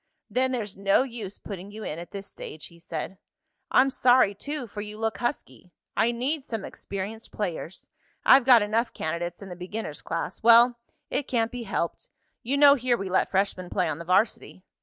"Then there's no use putting you in at this stage," he said. "I'm sorry, too, for you look husky. I need some experienced players. I've got enough candidates in the beginner's class. Well, it can't be helped. You know here we let freshmen play on the varsity."